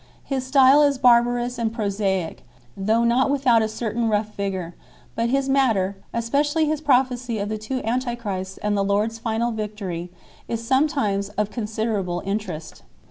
His style is barbarous and prosaic, though not without a certain rough vigour, but his matter especially his pro phecy of the two Antichrists and the Lord s final victory is sometimes of considerable interest.